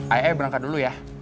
ayah berangkat dulu ya